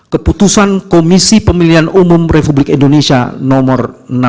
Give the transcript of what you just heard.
keputusan komisi pemilihan umum republik indonesia nomor seribu enam ratus tiga puluh dua